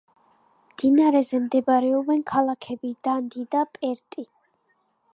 მდინარეზე მდებარეობენ ქალაქები: დანდი და პერტი.